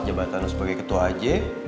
jabatan sebagai ketua aj